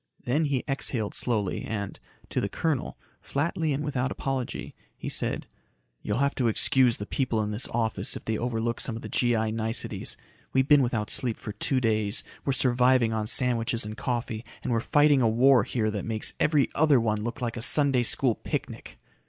Then he exhaled slowly and, to the colonel, flatly and without apology, he said, "You'll have to excuse the people in this office if they overlook some of the G.I. niceties. We've been without sleep for two days, we're surviving on sandwiches and coffee, and we're fighting a war here that makes every other one look like a Sunday School picnic."